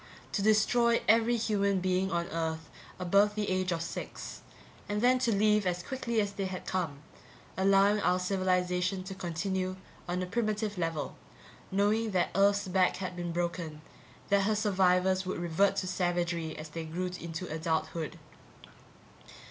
To destroy every human being on Earth above the age of six and then to leave as quickly as they had come, allowing our civilization to continue on a primitive level, knowing that Earth's back had been broken, that her survivors would revert to savagery as they grew into adulthood.